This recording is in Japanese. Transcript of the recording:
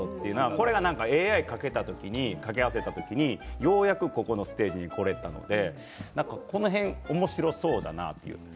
これがＡＩを掛け合わせた時にようやくここのステージにくることができたのでこの点、おもしろそうだなと。